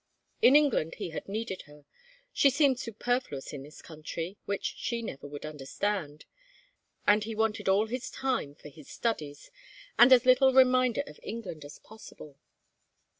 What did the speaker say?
In England he had needed her; she seemed superfluous in this country, which she never would understand; and he wanted all his time for his studies and as little reminder of England as possible.